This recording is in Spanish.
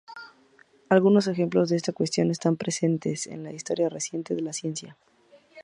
Algunos ejemplos de esta cuestión están presentes en la historia reciente de la ciencia.